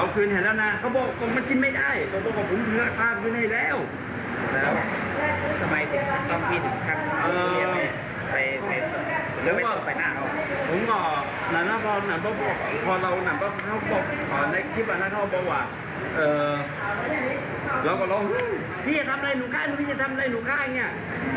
พี่ทำไรหนูข้ารู้พี่จะทำไรหนูข้าอย่างเงี่ย